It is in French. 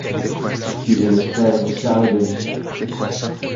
Il est le frère de Charles de Visscher.